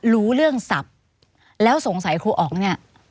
รู้เรื่องศัพท์แล้วสงสัยครูอ๋องเนี่ย